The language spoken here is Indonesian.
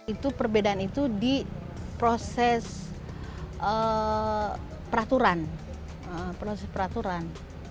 itu perbedaan itu di proses peraturan